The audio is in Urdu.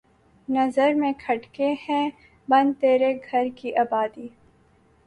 نظر میں کھٹکے ہے بن تیرے گھر کی آبادی